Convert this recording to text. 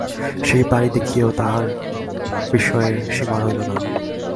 সেই বাড়ি দেখেও তাঁর বিস্ময়ের সীমা রইল না।